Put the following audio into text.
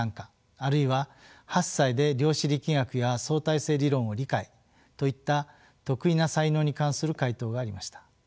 あるいは８歳で量子力学や相対性理論を理解といった特異な才能に関する回答がありました。